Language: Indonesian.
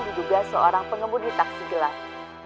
diduga seorang pengemudi taksi gelap